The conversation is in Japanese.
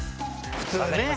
普通ね。